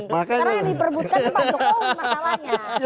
sekarang yang diperebutkan sempat jokowi masalahnya